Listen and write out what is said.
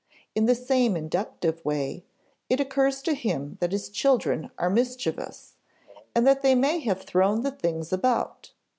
In the same inductive way, it occurs to him that his children are mischievous, and that they may have thrown the things about.